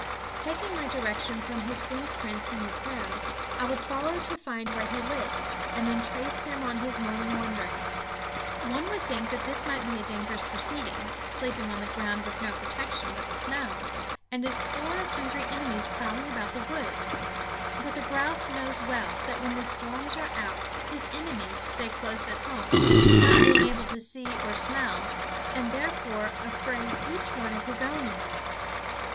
Taking my direction from his wing prints in the snow, I would follow to find where he lit, and then trace him on his morning wanderings. One would think that this might be a dangerous proceeding, sleeping on the ground with no protection but the snow, and a score of hungry enemies prowling about the woods; but the grouse knows well that when the storms are out his enemies stay close at home, not being able to see or smell, and therefore afraid each one of his own enemies.